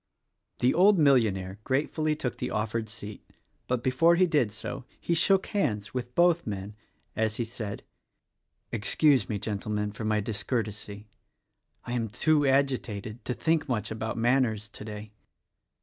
The old millionaire gratefully took the offered seat; but before he did so he shook hands with both men, as he said, "Excuse me, Gentlemen, for my discourtesy, — I am too agitated to think much about manners today."